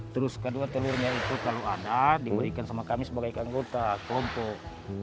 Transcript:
terus kedua telurnya itu kalau ada diberikan sama kami sebagai anggota kelompok